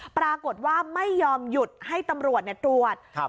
ปรากฏว่าไม่ยอมหยุดให้ตำรวจเนี่ยตรวจครับ